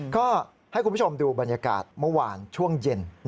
ก็ให้คุณผู้ชมดูบรรยากาศเมื่อวานช่วงเย็น